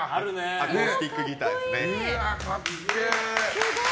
アコースティックギターですね。